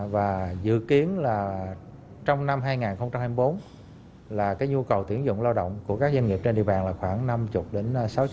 và dự kiến là trong năm hai nghìn hai mươi bốn là cái nhu cầu tuyển dụng lao động của các doanh nghiệp trên địa bàn là khoảng năm mươi đến sáu mươi